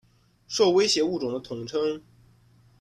受威胁物种的统称。